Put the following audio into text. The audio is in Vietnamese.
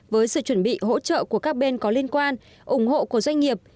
với sự chuẩn bị hỗ trợ của các bên có liên quan ủng hộ của doanh nghiệp